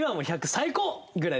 最高！」ぐらいで。